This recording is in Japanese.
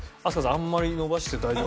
あんまり伸ばして大丈夫？